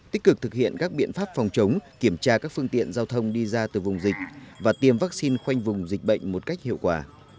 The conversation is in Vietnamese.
tích cực thực hiện các biện pháp phòng chống kiểm tra các phương tiện giao thông đi ra từ vùng dịch và tiêm vaccine khoanh vùng dịch bệnh một cách hiệu quả